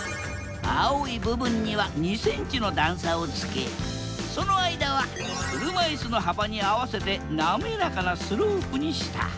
青い部分には２ｃｍの段差をつけその間は車いすの幅に合わせて滑らかなスロープにした。